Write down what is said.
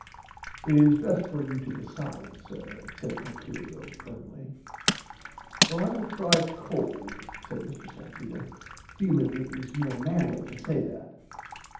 It is best for you to decide sir said Procurio firmly. Well I will try cold said Mr Salteena feeling it was more manly to say that.